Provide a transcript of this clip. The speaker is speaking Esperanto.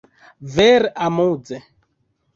Vere amuze!